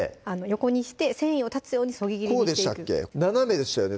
横にして繊維を断つようにそぎ切りにしていく斜めでしたよね